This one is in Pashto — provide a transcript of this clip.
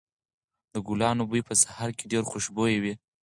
د ګلانو بوی په سهار کې ډېر خوشبويه وي.